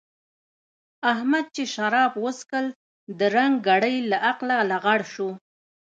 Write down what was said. احمد چې شراب وڅښل؛ درنګ ګړۍ له عقله لغړ شو.